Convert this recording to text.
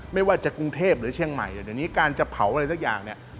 ไม่ว่าจะกรุงเทพหรือเชียงใหม่เดี๋ยวนี้การจะเผาอะไรสักอย่างเนี่ย